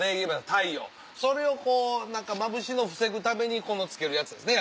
太陽それをこうまぶしいのを防ぐためにつけるやつですね